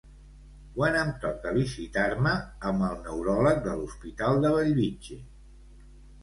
Quan em toca visitar-me amb el neuròleg de l'Hospital de Bellvitge?